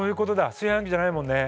炊飯器じゃないもんね。